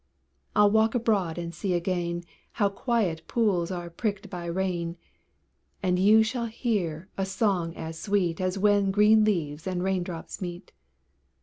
I'll walk abroad and see again How quiet pools are pricked by rain; And you shall hear a song as sweet As when green leaves and raindrops meet.